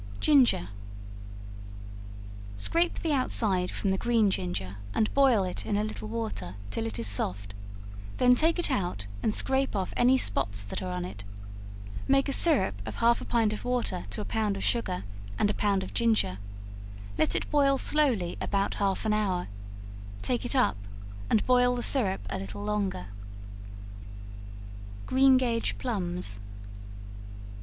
Ginger. Scrape the outside from the green ginger, and boil it in a little water, till it is soft; then take it out, and scrape off any spots that are on it; make a syrup of half a pint of water to a pound of sugar and a pound of ginger; let it boil slowly about half an hour; take it up and boil the syrup a little longer. Green Gage Plums.